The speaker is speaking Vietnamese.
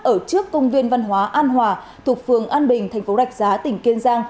ở trước công viên văn hóa an hòa thục phường an bình tp đạch giá tỉnh kiên gia